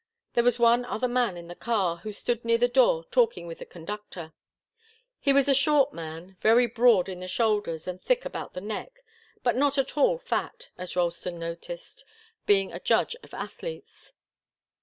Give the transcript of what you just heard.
There was one other man in the car, who stood near the door talking with the conductor. He was a short man, very broad in the shoulders and thick about the neck, but not at all fat, as Ralston noticed, being a judge of athletes.